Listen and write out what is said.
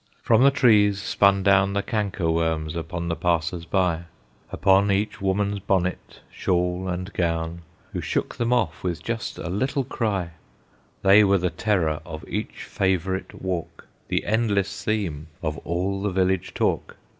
From the trees spun down The canker worms upon the passers by, Upon each woman's bonnet, shawl, and gown, Who shook them off with just a little cry; They were the terror of each favorite walk, The endless theme of all the village talk.